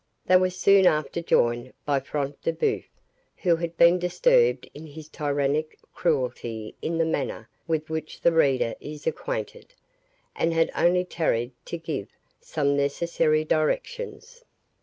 They were soon after joined by Front de Bœuf, who had been disturbed in his tyrannic cruelty in the manner with which the reader is acquainted, and had only tarried to give some necessary directions.